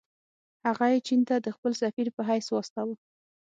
هغه یې چین ته د خپل سفیر په حیث واستاوه.